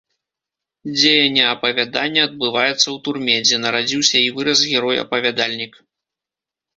Дзеянне апавядання адбываецца ў турме, дзе нарадзіўся і вырас герой-апавядальнік.